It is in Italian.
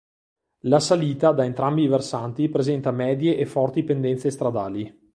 La salita da entrambi i versanti presenta medie e forti pendenze stradali.